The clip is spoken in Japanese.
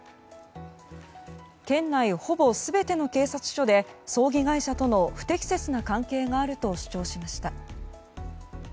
県内ほぼ全ての警察署で葬儀会社との不適切な関係があると主張しました。